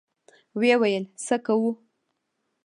ويې ويل: څه کوو؟